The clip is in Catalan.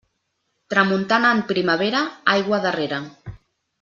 Tramuntana en primavera, aigua darrera.